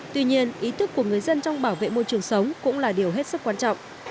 tuy nhiên ý thức của người dân trong bảo vệ môi trường sống cũng là điều hết sức quan trọng